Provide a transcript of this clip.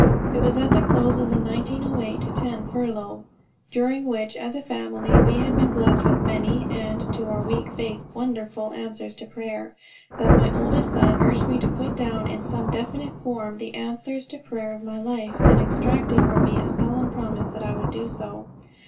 It was at the close of the 1908 10 furlough during which, as a family, we had been blessed with many and, to our weak faith, wonderful answers to prayer that my oldest son urged me to put down in some definite form the answers to prayer of my life, and extracted from me a solemn promise that I would do so.